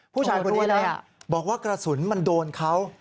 ผู้ชายคนนี้นะบอกว่ากระสุนมันโดนเขา